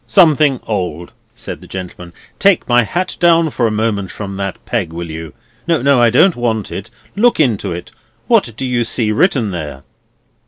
"Something old," said the gentleman. "Take my hat down for a moment from that peg, will you? No, I don't want it; look into it. What do you see written there?"